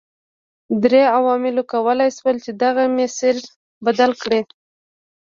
درې عواملو کولای شول چې دغه مسیر بدل کړي.